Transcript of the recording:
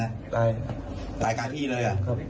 ตายตายกาที่เลย